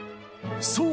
そう！